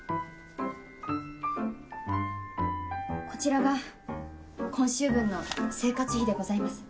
こちらが今週分の生活費でございます。